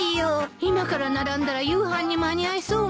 今から並んだら夕飯に間に合いそうもないわね。